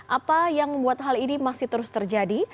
apa yang membuat hal ini masih terus terjadi